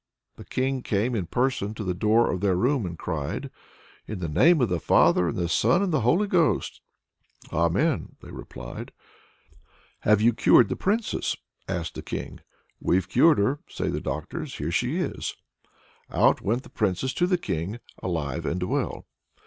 The King came in person to the door of their room, and cried: "In the name of the Father, and the Son, and the Holy Ghost!" "Amen!" they replied. "Have you cured the Princess?" asked the King. "We've cured her," say the doctors. "Here she is!" Out went the Princess to the King, alive and well.